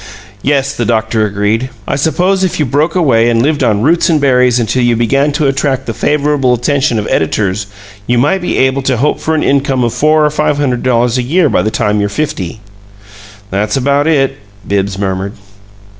"Yes," the doctor agreed. "I suppose if you broke away and lived on roots and berries until you began to 'attract the favorable attention of editors' you might be able to hope for an income of four or five hundred dollars a year by the time you're fifty." "That's about it," Bibbs murmured.